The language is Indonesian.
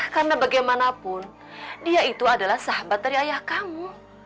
karena bagaimanapun dia itu adalah sahabat dari ayah kamu